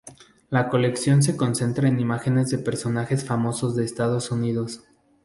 La colección se concentra en imágenes de personajes famosos de Estados Unidos.